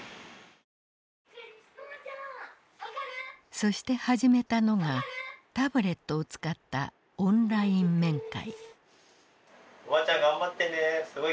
そして始めたのがタブレットを使ったオンライン面会。